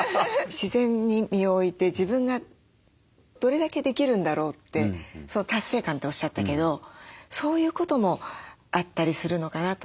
自然に身を置いて自分がどれだけできるんだろうって達成感っておっしゃったけどそういうこともあったりするのかなと。